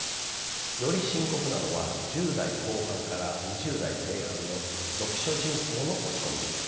より深刻なのは１０代後半から２０代前半の読書人口の落ち込みです。